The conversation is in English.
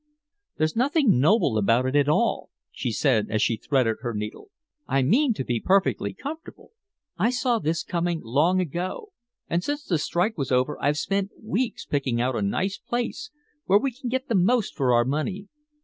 "There's nothing noble about it at all," she said as she threaded her needle. "I mean to be perfectly comfortable. I saw this coming long ago, and since the strike was over I've spent weeks picking out a nice place where we can get the most for our money.